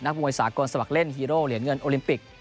มวยสากลสมัครเล่นฮีโร่เหรียญเงินโอลิมปิก